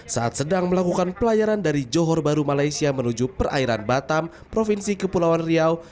saat sedang melakukan pelayaran dari johor baru malaysia menuju perairan batam provinsi kepulauan riau